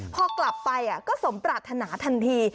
พอกลับไปก็สมปรารถนาทันที